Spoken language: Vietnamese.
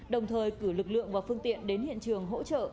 đồng thời cử lực lượng và phương tiện đến hiện trường hỗ trợ